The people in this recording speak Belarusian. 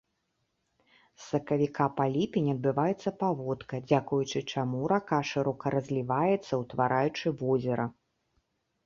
З сакавіка па ліпень адбываецца паводка, дзякуючы чаму рака шырока разліваецца, утвараючы возера.